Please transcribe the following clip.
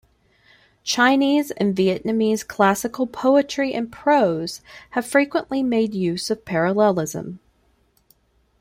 Chinese and Vietnamese classical poetry and prose have frequently made use of parallelism.